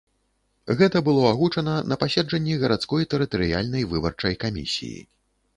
Гэта было агучана на паседжанні гарадской тэрытарыяльнай выбарчай камісіі.